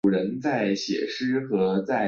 埃尔芒附近圣日耳曼人口变化图示